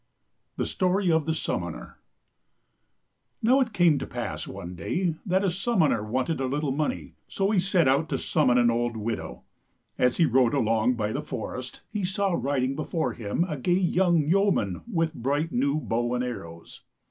THE STORY OF THE SUMMONER NOW it came to pass one day that a summoner wanted a little money, so he set out to sum mon an old widow. As he rode along by the forest, he saw riding before him a gay young yeoman with bright new bow and arrows.